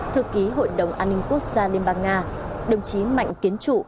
thư ký hội đồng an ninh quốc gia liên bang nga đồng chí mạnh kiến trụ